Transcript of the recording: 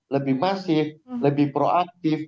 lebih masif lebih proaktif